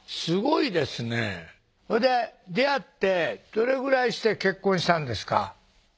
すごいですねほいで出会ってどれぐらいして結婚したんですか？